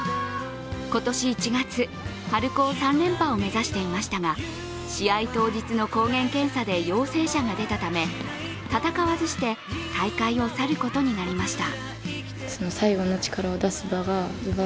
今年１月、春高３連覇を目指していましたが、試合当日の抗原検査で陽性者が出たため戦わずして、大会を去ることになりました。